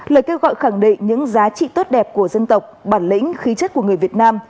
lời kêu gọi khẳng định những giá trị tốt đẹp của dân tộc bản lĩnh khí chất của người việt nam